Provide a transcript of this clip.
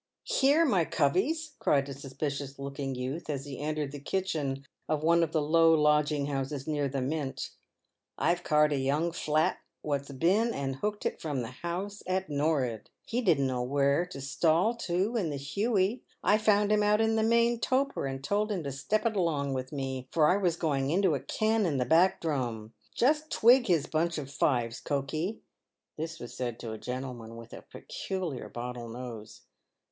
" Heee, my coveys," cried a suspicious looking youth, as he entered the kitchen of one of the low lodging houses near the Mint, " I've caught a young flat what's been and hooked it from the House at JSor'ud. He didn't know where to stall to in the huey. I found him out in the main toper, and told him to step it along with me, for I was going into a ken in the back drum. Just twig his bunch of fives, Conkey" (this was said to a gentleman with a peculiar bottle nose).